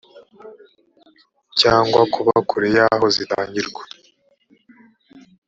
cyangwa kuba kure y aho zitangirwa